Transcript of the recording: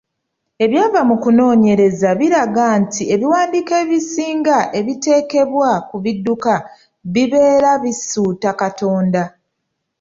Ebyava mu kunoonyereza byalaga nti ebiwandiiko ebisinga okuteekebwa ku bidduka bibeera bisuuta Katonda.